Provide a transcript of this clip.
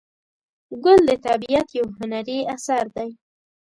ګل د طبیعت یو هنري اثر دی.